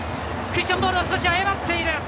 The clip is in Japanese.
クッションボール、誤っている。